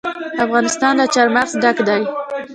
افغانستان له چار مغز ډک دی.